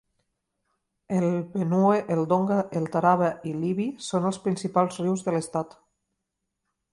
El Benue, el Donga, el Taraba i l'Ibi són els principals rius de l'estat.